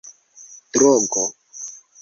drogo